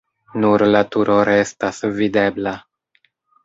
Nur la turo restas videbla.